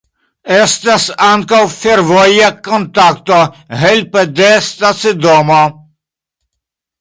Estas ankaŭ fervoja kontakto helpe de stacidomo.